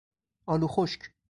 آلو خشک